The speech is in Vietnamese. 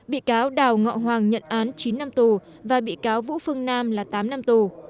bị cáo đào ngọ hoàng nhận án chín năm tù và bị cáo vũ phương nam là tám năm tù